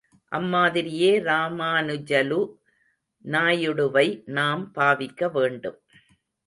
அம் மாதிரியே ராமாநுஜலு நாயுடுவை நாம் பாவிக்க வேண்டும்.